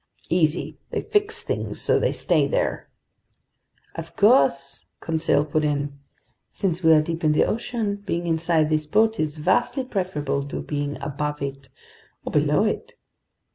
"Easy. They fix things so they stay there." "Of course!" Conseil put in. "Since we're deep in the ocean, being inside this boat is vastly preferable to being above it or below it!"